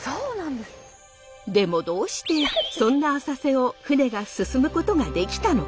でもどうしてそんな浅瀬を舟が進むことができたのか？